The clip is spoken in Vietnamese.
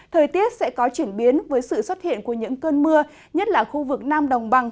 thời tiết sẽ có chuyển biến với sự xuất hiện của những cơn mưa nhất là khu vực nam đồng bằng